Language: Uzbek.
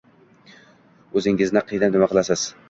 O`zingizni qiynab nima qilasiz